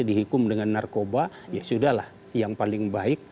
dihukum dengan narkoba ya sudah lah yang paling baik